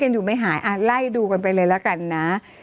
อยู่ไม่หายไล่ดูกันไปเลยละกันนะ